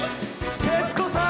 徹子さーん！